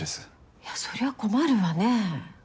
いやそりゃ困るわね。